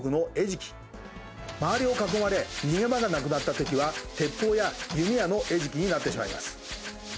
周りを囲まれ逃げ場がなくなった敵は鉄砲や弓矢の餌食になってしまいます。